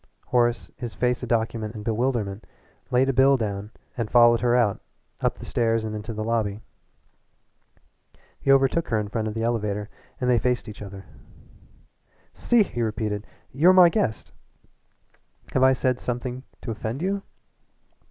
Horace, his face a document in bewilderment, laid a bill down and followed her out, up the stairs and into the lobby. He overtook her in front of the elevator and they faced each other. "See here," he repeated "You're my guest. Have I said something to offend you?"